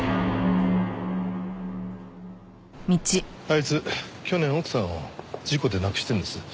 あいつ去年奥さんを事故で亡くしてるんです。